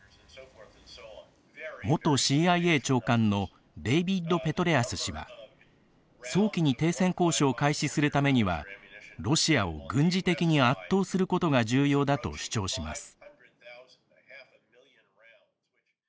元ＣＩＡ長官のデイビッド・ペトレアス氏は早期に停戦交渉を開始するためにはロシアを軍事的に圧倒することが重要だと主張します。